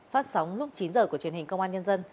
phát sóng lúc chín h của truyền hình công an nhân dân